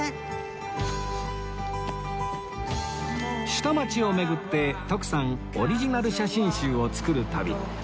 下町を巡って徳さんオリジナル写真集を作る旅